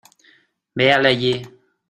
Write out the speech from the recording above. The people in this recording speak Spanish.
véale allí.